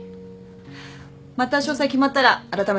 また詳細決まったらあらためて報告します。